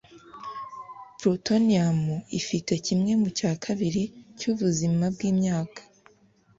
Plutonium ifite kimwe cya kabiri cyubuzima bwimyaka